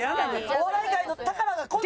お笑い界の宝がこんな。